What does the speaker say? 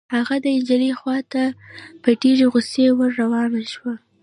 هغه د نجلۍ خوا ته په ډېرې غصې ور روان شو.